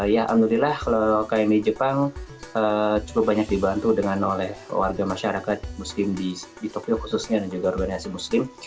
ya alhamdulillah kalau kmi jepang cukup banyak dibantu dengan oleh warga masyarakat muslim di tokyo khususnya dan juga organisasi muslim